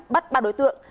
bắt ba đối tượng